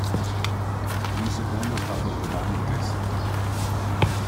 Il secondo è stato Giovanni Kessler.